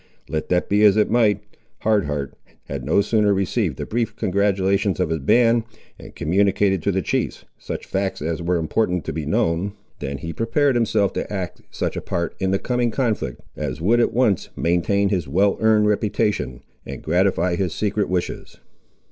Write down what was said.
Let that be as it might, Hard Heart had no sooner received the brief congratulations of his band, and communicated to the chiefs such facts as were important to be known, than he prepared himself to act such a part in the coming conflict, as would at once maintain his well earned reputation, and gratify his secret wishes.